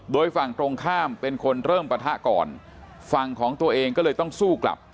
โดยฝั่งตรงข้ามเป็นคนเริ่มปะทะก่อนฝั่งของตัวเองก็เลยต้องสู้กลับ